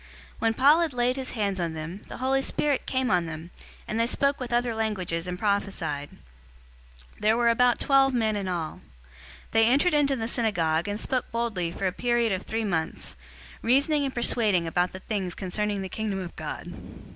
019:006 When Paul had laid his hands on them, the Holy Spirit came on them, and they spoke with other languages and prophesied. 019:007 They were about twelve men in all. 019:008 He entered into the synagogue, and spoke boldly for a period of three months, reasoning and persuading about the things concerning the Kingdom of God.